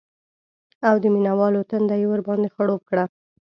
او د مینه والو تنده یې ورباندې خړوب کړه